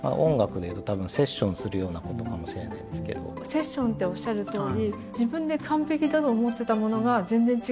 セッションっておっしゃるとおり